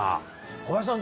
小林さん